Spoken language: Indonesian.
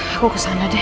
aku kesana deh